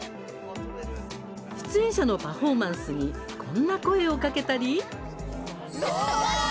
出演者のパフォーマンスにこんな声をかけたり。